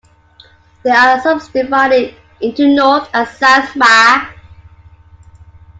They are subdivided into North and South Maa.